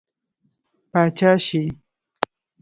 پاچا شي.